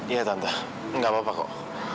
ya tante tidak apa apa kok